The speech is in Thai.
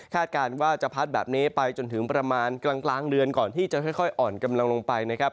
การว่าจะพัดแบบนี้ไปจนถึงประมาณกลางเดือนก่อนที่จะค่อยอ่อนกำลังลงไปนะครับ